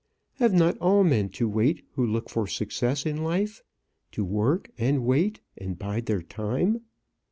Have not all men to wait who look for success in life? to work, and wait, and bide their time?